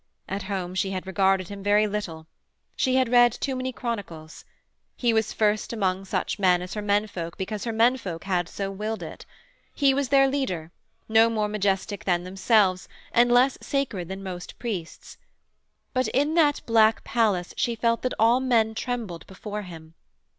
At home she had regarded him very little. She had read too many chronicles. He was first among such men as her men folk because her men folk had so willed it: he was their leader, no more majestic than themselves, and less sacred than most priests. But in that black palace she felt that all men trembled before him.